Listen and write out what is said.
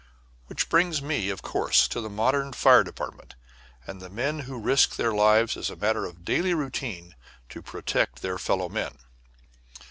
Which brings me, of course, to the modern fire department and the men who risk their lives as a matter of daily routine to protect their fellow men.